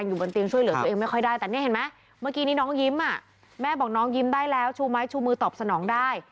ได้แล้วชูไมาท์ชูมือตอบสนองได้